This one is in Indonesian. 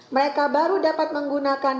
mereka baru dapat menggunakan